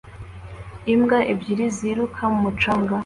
Imbwa ebyiri ziruka ku mucanga